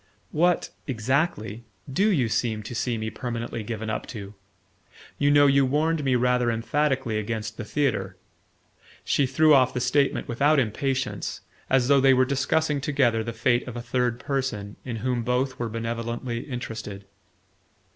"What exactly DO you seem to see me permanently given up to? You know you warned me rather emphatically against the theatre." She threw off the statement without impatience, as though they were discussing together the fate of a third person in whom both were benevolently interested.